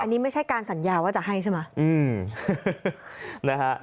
อันนี้ไม่ใช่การสัญญาว่าจะให้ใช่ไหม